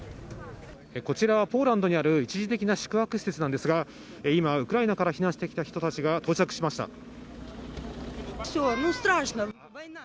こちらはポーランドにある一時的な宿泊施設なんですが、今、ウクライナから避難してきた人たちが到着しました。